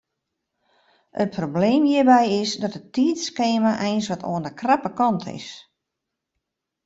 It probleem hjirby is dat it tiidskema eins wat oan de krappe kant is.